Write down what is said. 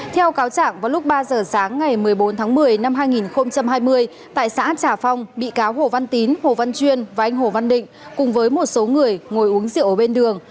theo cáo trạng vào lúc ba giờ sáng ngày một mươi bốn tháng một mươi năm hai nghìn hai mươi tại xã trà phong bị cáo hồ văn tín hồ văn chuyên và anh hồ văn định cùng với một số người ngồi uống rượu ở bên đường